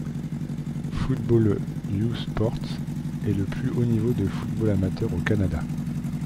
Football U Sports est le plus haut niveau du football amateur au Canada.